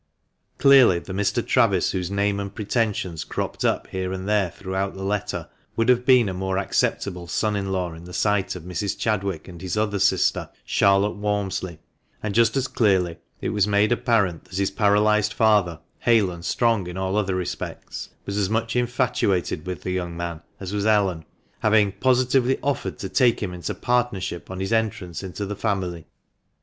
Clearly the Mr. Travis, whose name and pre tensions cropped up here and there throughout the letter would have been a more acceptable son in law in the sight of Mrs. Chad wick and his other sister, Charlotte Walmsley, and just as clearly it was made apparent that his paralysed father (hale and strong in all other respects) was as much infatuated with the young man as was Ellen, having " positively offered to take him into partnership on his entrance into the family."